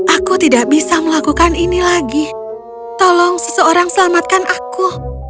aku tidak bisa melakukan ini lagi tolong seseorang selamatkan aku